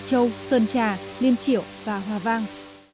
hải châu sơn trà liên triệu và hòa vang